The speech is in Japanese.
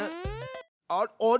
あっあれ？